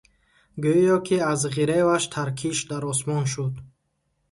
Гӯё ки аз ғиреваш Таркиш дар осмон шуд.